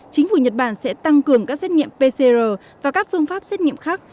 chính phủ nhật bản sẽ tăng cường các xét nghiệm pcr và các phương pháp xét nghiệm khác